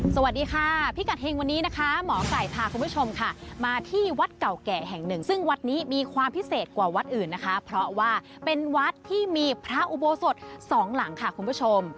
สวัสดีค่ะพิกัดเฮงวันนี้นะคะหมอไก่พาคุณผู้ชมค่ะมาที่วัดเก่าแก่แห่งหนึ่งซึ่งวัดนี้มีความพิเศษกว่าวัดอื่นนะคะเพราะว่าเป็นวัดที่มีพระอุโบสถสองหลังค่ะคุณผู้ชม